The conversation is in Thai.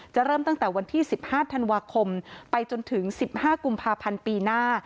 เริ่มตั้งแต่วันที่๑๕ธันวาคมไปจนถึง๑๕กุมภาพันธ์ปีหน้า